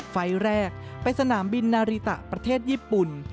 ไฟล์แรกไปสนามบินนาริตะประเทศญี่ปุ่น